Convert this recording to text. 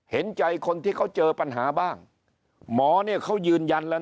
เห็นใจคนที่เขาเจอปัญหาบ้างหมอเนี่ยเขายืนยันแล้ว